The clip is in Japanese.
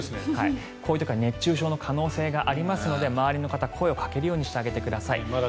こういう時は熱中症の可能性がありますので周りの方、声をかけるようにしてあげてください。